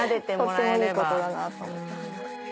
とってもいいことだなと。